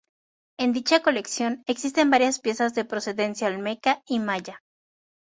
En dicha colección existen varias piezas de procedencia olmeca y maya.